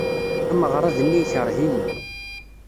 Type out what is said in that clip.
Ameɣrad-nni yekṛeh-iyi.